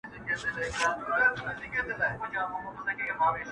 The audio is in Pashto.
یو څه یاران یو څه غونچې ووینو!